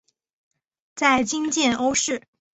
在今建瓯市。